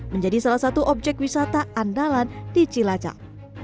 menjadi salah satu objek wisata andalan di cilacap